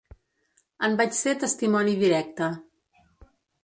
En vaig ser testimoni directe.